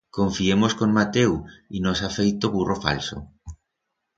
Confiemos con Mateu y nos ha feito burro falso.